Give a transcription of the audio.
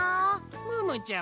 ムームーちゃま？